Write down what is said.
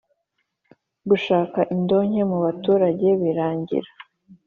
Gushaka indonke mubaturage birangira